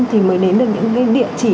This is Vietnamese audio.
thì mới đến được những cái địa chỉ